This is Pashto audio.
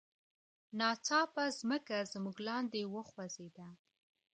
ناڅاپه ځمکه زموږ لاندې وخوزیده.